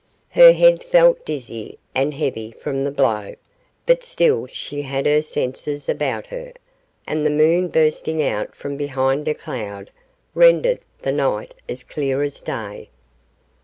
Her head felt dizzy and heavy from the blow, but still she had her senses about her, and the moon bursting out from behind a cloud, rendered the night as clear as day.